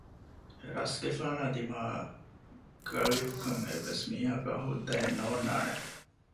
ރަސްގެފާނާ ދިމާއަށް ގަޅިއުކަން އެއްވެސް މީހަކަށް ހުއްދައެއް ނޯންނާނެ